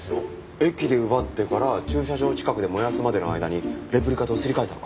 駅で奪ってから駐車場近くで燃やすまでの間にレプリカとすり替えたのか？